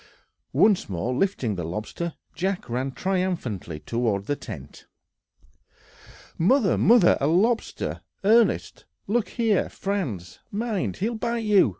Once more lifting the lobster, Jack ran triumphantly toward the tent. "Mother, mother! a lobster, Ernest! look here, Franz! mind, he'll bite you!